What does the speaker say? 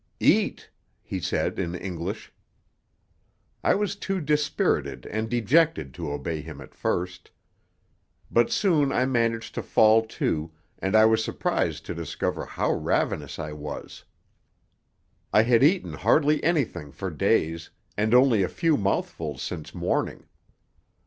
"Eat!" he said in English. I was too dispirited and dejected to obey him at first. But soon I managed to fall to, and I was surprised to discover how ravenous I was. I had eaten hardly anything for days, and only a few mouthfuls since morning.